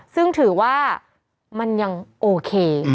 ซึ่งถือว่ามันยังโอเค